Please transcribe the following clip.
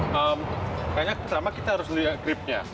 makanya pertama kita harus lihat gripnya